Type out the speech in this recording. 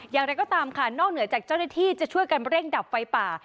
อย่างไรก็ตามค่ะนอกเหนือจากเจ้าหน้าที่จะช่วยกันเร่งดับไฟป่า